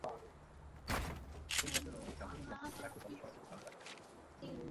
সেই জটলার মধ্যেই Jermaine Jones কিছু একটা বলে সরাসরি লাল কার্ড দেখেন।